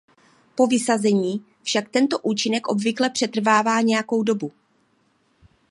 Po vysazení však tento účinek obvykle přetrvává nějakou dobu.